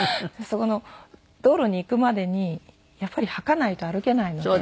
そこの道路に行くまでにやっぱり掃かないと歩けないので。